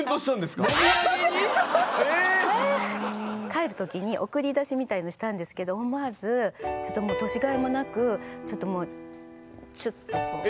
帰る時に送り出しみたいのしたんですけど思わずちょっともう年がいもなくちょっともうチュッとこう。